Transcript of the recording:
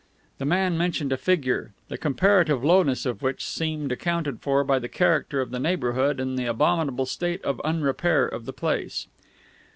The man mentioned a figure, the comparative lowness of which seemed accounted for by the character of the neighbourhood and the abominable state of unrepair of the place.